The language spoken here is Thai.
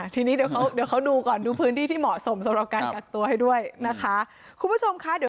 ทีนี้เดี๋ยวเขาดูก่อนดูพื้นที่ที่เหมาะสมสำหรับการกัดตัวให้ด้วยนะคะ